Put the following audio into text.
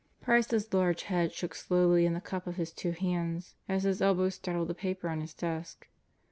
Price's large head shook slowly in the cup of his two hands as his elbows straddled the paper on his desk.